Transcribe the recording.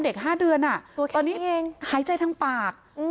เด็ก๕เดือนตอนนี้หายใจทางปาก